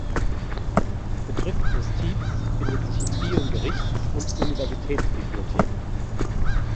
Betrifft Justiz findet sich in vielen Gerichts- und Universitätsbibliotheken.